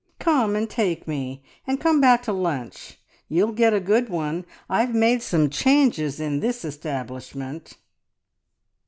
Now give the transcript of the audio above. Come and take me, and come back to lunch. You'll get a good one. I've made some changes in this establishment."